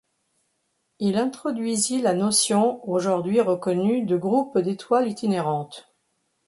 Il introduisit la notion, aujourd'hui reconnue de groupe d'étoiles itinérantes.